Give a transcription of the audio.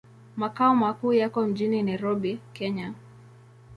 Makao makuu yako mjini Nairobi, Kenya.